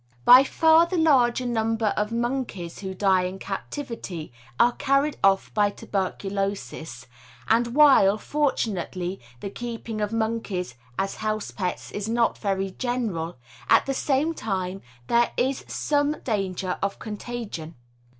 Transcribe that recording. By far the larger number of monkeys who die in captivity are carried off by tuberculosis, and while, fortunately, the keeping of monkeys as house pets is not very general, at the same time there is some danger of contagion.